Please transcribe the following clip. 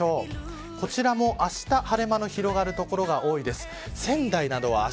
こちらもあした晴れ間の広がる所が多いです。